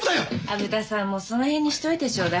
虻田さんもうその辺にしといてちょうだい。